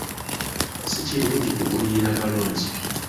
Si kirungi kugulirira balonzi.